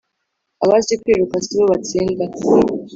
abazi kwiruka si bo batsinda